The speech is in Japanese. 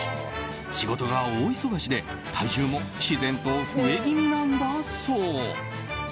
仕事が大忙しで体重も自然と増え気味なんだそう。